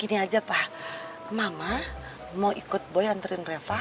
gini aja pak mama mau ikut boy anterin reva